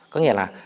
có nghĩa là